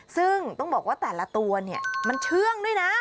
ซึ่งต้องบอกว่าแต่ละตัวเนี่ยมันเชื่องด้วยนะ